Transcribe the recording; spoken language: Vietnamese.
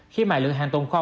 khi mà lượng hàng tồn kho